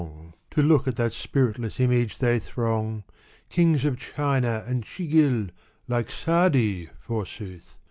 Digitized by Google To look at that spiritless image they throng. Kings of China and Chighil, like Sa'di, forsooth